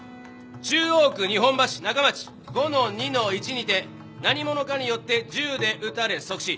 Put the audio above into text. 中央区日本橋中町５−２−１にて何者かによって銃で撃たれ即死。